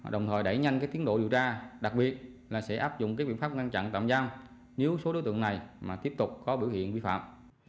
đồng thời đẩy nhanh tiến độ điều tra đặc biệt là sẽ áp dụng biện pháp ngăn chặn tạm giam nếu số đối tượng này mà tiếp tục có biểu hiện vi phạm